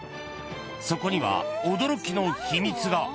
そこには驚きの秘密が。